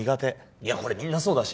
いやこれみんなそうだし。